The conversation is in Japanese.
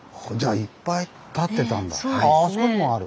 あっあそこにもある。